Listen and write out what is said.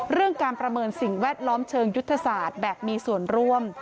เรื่องการประเมินสิ่งแวดล้อมเชิงยุทธศาสตร์แบบมีส่วนร่วม